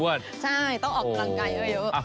ใช่ต้องออกกำลังกายเยอะ